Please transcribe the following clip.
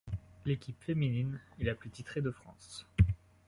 L'équipe féminine est la plus titrée de France.